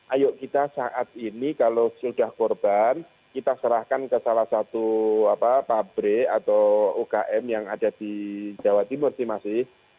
ayo kita saat ini kalau sudah korban kita serahkan ke salah satu pabrik atau ukm yang ada di jawa timur sih masih